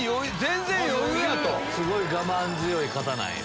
すごい我慢強い方なんや。